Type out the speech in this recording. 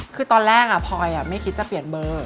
คือตอนแรกพลอยไม่คิดจะเปลี่ยนเบอร์